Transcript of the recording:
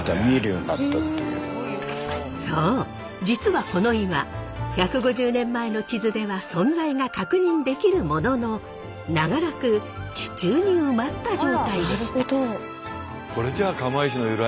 実はこの岩１５０年前の地図では存在が確認できるものの長らく地中に埋まった状態でした。